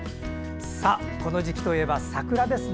この時期といえば桜ですね。